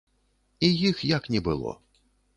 І іх як не было.